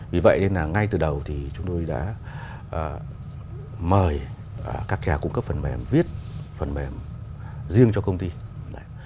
vì vậy nên là ngay từ đầu thì chúng tôi đã mời các nhà cung cấp phần mềm viết phần mềm riêng cho công ty